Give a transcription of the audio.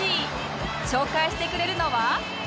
紹介してくれるのは